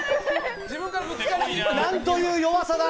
何という弱さだ。